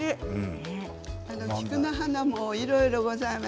菊の花もいろいろございます。